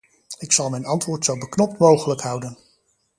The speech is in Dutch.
Ik zal mijn antwoord zo beknopt mogelijk houden.